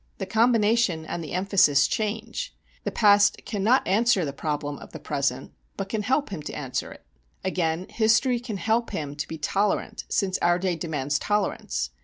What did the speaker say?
The combination and the emphasis change. The past cannot answer the problem of the present, but can help him to answer it. Again, history can help him to be tolerant, since our day demands tolerance.